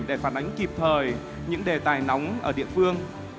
để phản ánh kịp thời những đề tài nóng ở địa phương